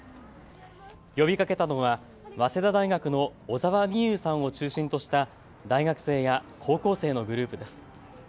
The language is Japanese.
呼びかけたのは早稲田大学の小澤未侑さんを中心とした大学生や高校生のグループです。